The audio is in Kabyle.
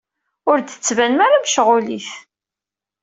Ur d-tettbanem ara mecɣulit.